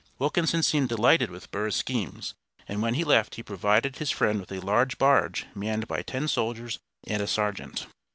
Wilkinson seemed delighted with Burr's schemes, and when he left he provided his friend with a large barge manned by ten soldiers and a sergeant.